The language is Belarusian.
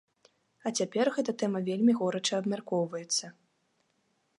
А цяпер гэта тэма вельмі горача абмяркоўваецца.